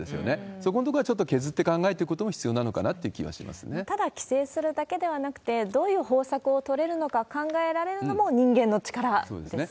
そこのところはちょっと削って考えていくことも必要なのかというただ、規制するだけではなくて、どういう方策を取れるのか、考えられるのも人間の力ですよね。